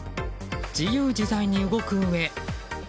自由自在に動くうえ。